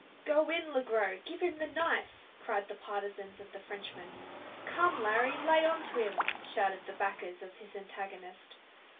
"Go in, Le Gros! give him the knife!" cried the partisans of the Frenchman. "Come, Larry! lay on to him!" shouted the backers of his antagonist.